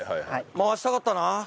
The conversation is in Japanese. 回したかったな。